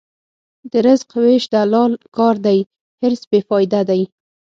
د رزق وېش د الله کار دی، حرص بېفایده دی.